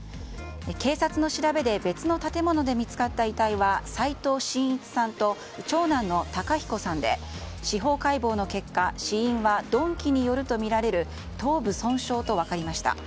警察の調べで別の建物で見つかった遺体は齋藤真一さんと長男の孝彦さんで司法解剖の結果、死因は鈍器によるとみられる頭部損傷と分かりました。